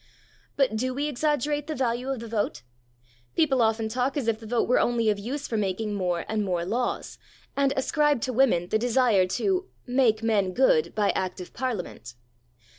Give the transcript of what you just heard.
But do we exaggerate the value of the vote? People often talk as if the vote were only of use for making more and more laws, and ascribe to women the desire to "make men good by Act of Parliament."